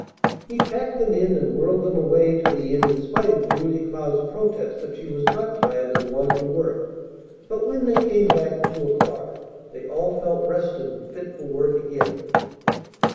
He packed them in, and whirled them away to the inn in spite of Julia Cloud's protest that she was not tired and wanted to work; but, when they came back at two o'clock, they all felt rested and fit for work again.